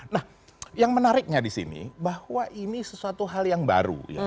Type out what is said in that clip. nah yang menariknya di sini bahwa ini sesuatu hal yang baru